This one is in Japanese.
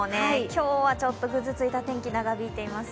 今日はちょっとぐずついた天気長引いています。